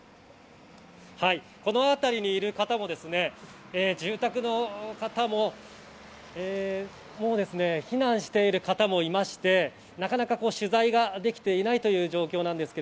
このあたりにいる方も住宅の方も、もう非難している方もいまして、なかなか取材ができているわけではないんです。